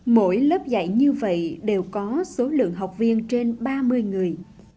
mỗi lớp dạy như vậy đều có số lượng học viên trên ba mươi người